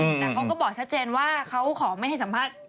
แต่เขาก็บอกชัดเจนว่าเขาขอไม่ให้สัมภาษณ์